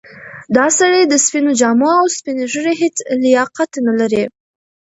دا سړی د سپینو جامو او سپینې ږیرې هیڅ لیاقت نه لري.